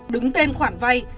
đứng tên khoản vay